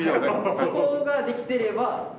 そこができてれば。